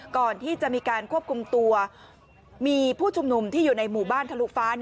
ก่อนที่จะมีการควบคุมตัวมีผู้ชุมนุมที่อยู่ในหมู่บ้านทะลุฟ้า